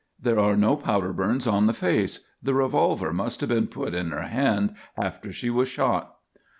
There are no powder burns on the face. The revolver must have been put in her hand after she was shot."